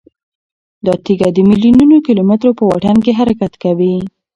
دا تیږه د میلیونونو کیلومترو په واټن کې حرکت کوي.